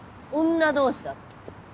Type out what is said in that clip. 女同士だぞ。